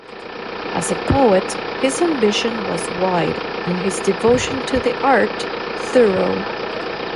As a poet, his ambition was wide and his devotion to the art thorough.